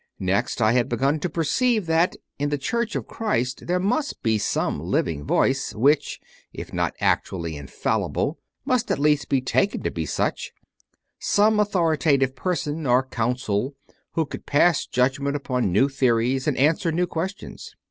Next, I had begun to perceive that in the Church of Christ there must be some Living Voice which, if not actually infallible, must at least be taken to be such some authoritative person or Council who could pass judgment upon new theories and answer new questions.